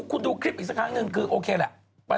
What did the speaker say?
คุณดูคลิปอีกสักครั้งนึงคือโอเคแหละ